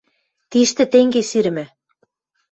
– Тиштӹ тенге сирӹмӹ: